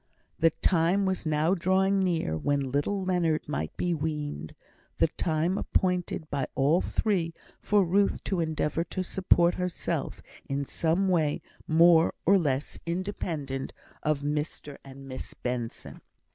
The time was now drawing near when little Leonard might be weaned the time appointed by all three for Ruth to endeavour to support herself in some way more or less independent of Mr and Miss Benson.